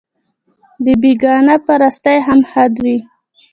د بېګانه پرستۍ هم حد وي